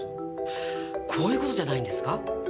こういうことじゃないんですか？